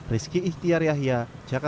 rizky ihtiar yahya jakarta